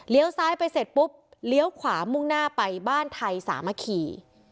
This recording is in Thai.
ซ้ายไปเสร็จปุ๊บเลี้ยวขวามุ่งหน้าไปบ้านไทยสามัคคี